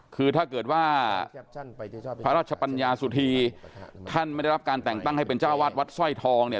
คือถ้าเกิดว่าพระราชปัญญาสุธีท่านไม่ได้รับการแต่งตั้งให้เป็นเจ้าวัดวัดสร้อยทองเนี่ย